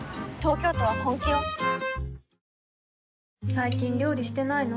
最近料理してないの？